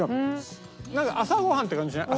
なんか朝ご飯って感じしない？